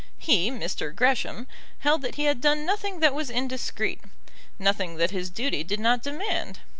He, Mr. Gresham, held that he had done nothing that was indiscreet, nothing that his duty did not demand.